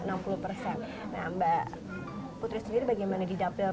nah mbak putri sendiri bagaimana didapati